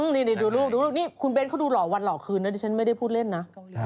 นี่ดูลูกดูลูกนี่คุณเบ้นเขาดูหล่อวันหล่อคืนนะดิฉันไม่ได้พูดเล่นนะ